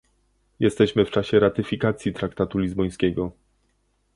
Jesteśmy w czasie ratyfikacji traktatu lizbońskiego